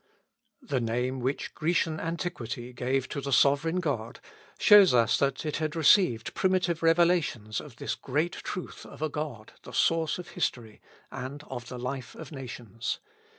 The name which Grecian antiquity gave to the Sovereign God, shows us that it had received primitive revelations of this great truth of a God, the source of history, and of the life of nations.